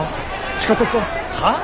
地下鉄は？はあ？